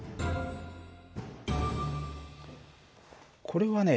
これはね